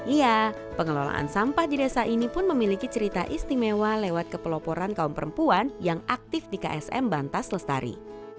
iya pengelolaan sampah di desa ini pun memiliki cerita istimewa lewat kepeloporan kaum perempuan yang aktif di ksm bantas lestari